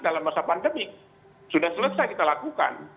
dalam masa pandemi sudah selesai kita lakukan